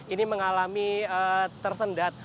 ini mengalami tersendat